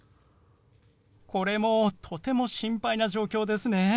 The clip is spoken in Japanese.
これもとても心配な状況ですね。